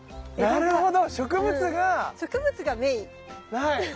なるほど。